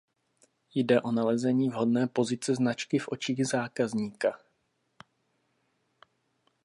Jde o nalezení vhodné pozice značky v očích zákazníka.